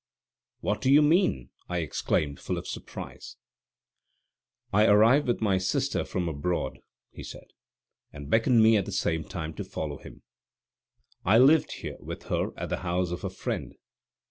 "What do you mean?" I exclaimed, full of surprise. "I arrived with my sister from abroad," he said, and beckoned me at the same time to follow him. "I lived here with her at the house of a friend.